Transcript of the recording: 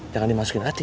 jangan dimasukin hati